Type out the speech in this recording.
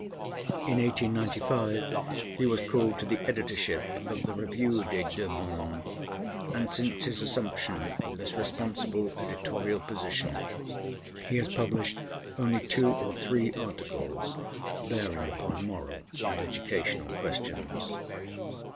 In 1895 he was called to the editorship of the Revue des Deux Mondes, and since his assumption of this responsible editorial position he has published only two or three articles, bearing upon moral and educational questions.